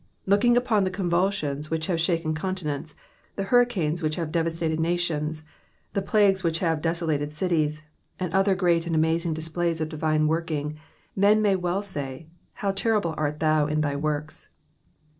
Looking upon the convulsions which have shaken continents, the hurricanes which have devastated nations, the plagues which have desolated cities, and other great and amazing displays of divine working, men may well say :How terrible art thou in thy works.''